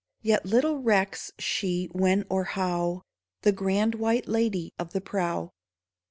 Yet little recks she when or how, The grand White Lady of the Prow.